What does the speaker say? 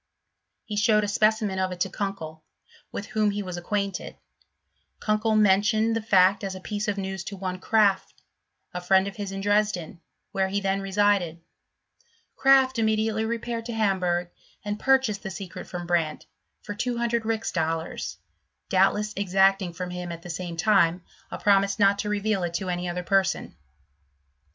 He showed a specimen of it to Kunkel, with whom he was acquaint ed : Kunkel mentioned the fact as a piece of news to one Kraft, a friend of his In Dresden, where he then Sesided: Kraft immediately repaired to Hamburg, and purchased the secret from Brandt for 200 rix dol lars, doubtless exacting from him, at the same time, R promise not to reveal it to any other person, Sw^n.